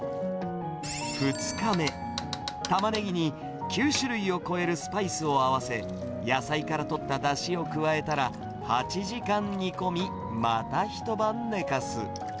２日目、タマネギに９種類を超えるスパイスを合わせ、野菜からとっただしを加えたら、８時間煮込み、また一晩寝かす。